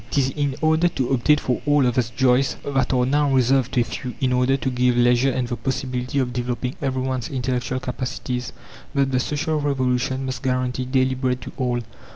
It is in order to obtain for all of us joys that are now reserved to a few; in order to give leisure and the possibility of developing everyone's intellectual capacities, that the social revolution must guarantee daily bread to all.